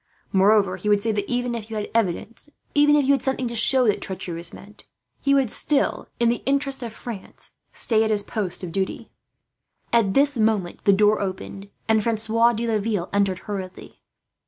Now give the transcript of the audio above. Moreover he would say that, even if you had evidence, even if you had something to show that treachery was meant, he would still, in the interest of France, stay at his post of duty." At this moment the door opened, and Francois de Laville entered hurriedly.